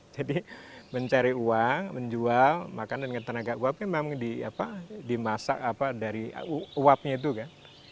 jadi mencari uang menjual makanan dengan tenaga uap memang dimasak dari uapnya itu kan